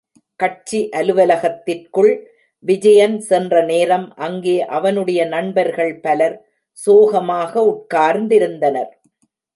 கட்சி அலுவலகத்திற்குள் விஜயன் சென்ற நேரம் அங்கே அவனுடைய நண்பர்கள் பலர் சோகமாக உட்கார்ந்திருந்தனர்.